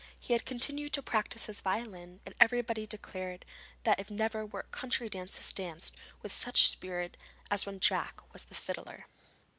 He had continued to practise his violin, and everybody declared that never were country dances danced with such spirit as when Jack was the fiddler.